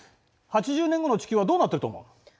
８０年後の地球はどうなっていると思う？